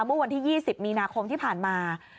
เมื่อวันที่๒๐มีนาคมที่ผ่านมา